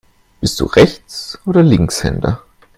Bist du Rechts- oder Linkshänder?